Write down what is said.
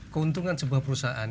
keuntungan sebuah perusahaan